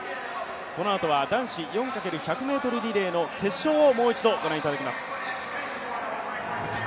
このあとは男子４×１００ｍリレーの決勝をもう一度ご覧いただきます。